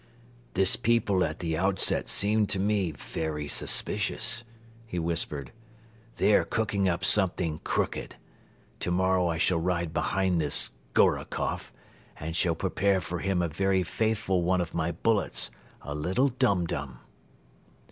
"This people at the outset seemed to me very suspicious," he whispered. "They are cooking up something crooked. Tomorrow I shall ride behind this Gorokoff and shall prepare for him a very faithful one of my bullets, a little dum dum."